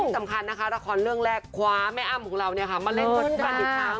สำคัญนะคะละครเรื่องแรกคว้าแม่อ้ำของเรามาเล่นกันอีกครั้ง